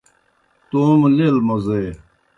توموْ لیل موزے